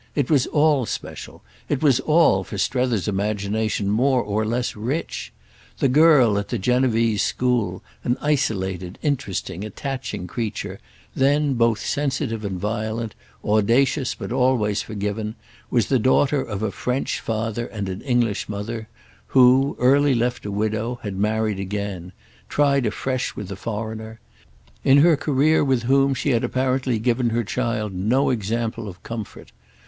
It was all special; it was all, for Strether's imagination, more or less rich. The girl at the Genevese school, an isolated interesting attaching creature, then both sensitive and violent, audacious but always forgiven, was the daughter of a French father and an English mother who, early left a widow, had married again—tried afresh with a foreigner; in her career with whom she had apparently given her child no example of comfort.